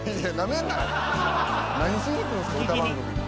何しに来るんですか歌番組に。